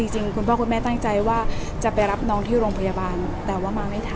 คุณพ่อคุณแม่ตั้งใจว่าจะไปรับน้องที่โรงพยาบาลแต่ว่ามาไม่ทัน